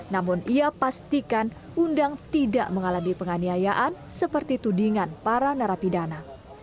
namun ia pastikan undang tidak mengalami penganiayaan seperti tudingan para narapidana